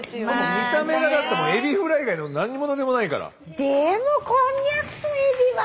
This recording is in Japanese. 見た目がだってエビフライ以外の何物でもないから。